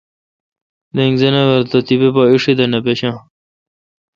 دینگ زناور تہ تیپہ اݭی دا نہ پشان۔